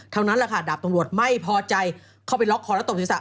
เท่านั้นแหละค่ะดาบตำรวจไม่พอใจเข้าไปล็อกคอแล้วตบศีรษะ